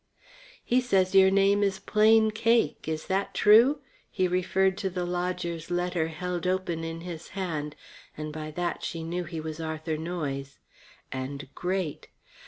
"He says your name is Plain Cake is that true?" He referred to the lodger's letter held open in his hand, and by that she knew he was Arthur Noyes. And great.